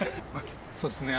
そうですね